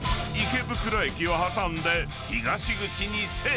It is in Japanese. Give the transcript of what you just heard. ［池袋駅を挟んで東口に西武］